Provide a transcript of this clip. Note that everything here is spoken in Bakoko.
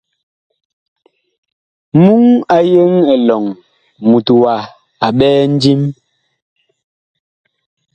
Muŋ a yeŋ elɔŋ mut wa a ɓɛɛ ndim.